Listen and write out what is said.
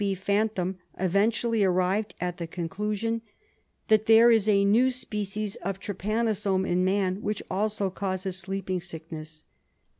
B. Fantham eventually arrived at the conclusion that there is a new species of trypanosome in man which also causes sleeping sickness.